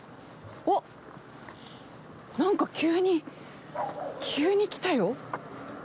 うわっ、なんか急に、急に来たよ。